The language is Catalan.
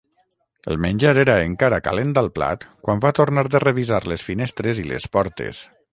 El menjar encara era calent al plat quan va tornar de revisar les finestres i les portes.